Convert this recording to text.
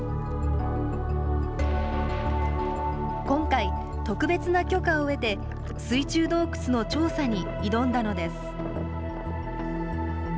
今回、特別な許可を得て、水中洞窟の調査に挑んだのです。